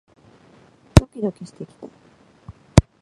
ドキドキしてきた